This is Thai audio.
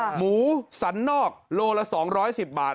หมูสันนอกโลละ๒๑๐บาท